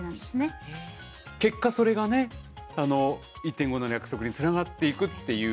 結果それがね「１．５℃の約束」につながっていくっていう。